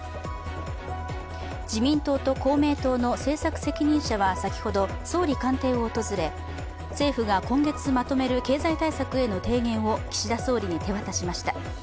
自民党と公明党の政策責任者は先ほど、総理官邸を訪れ政府が今月まとめる経済対策への提言を岸田総理に手渡しました。